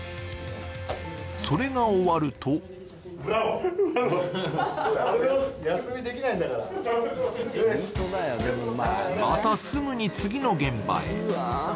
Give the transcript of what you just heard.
それが終わるとまた、すぐに次の現場へ。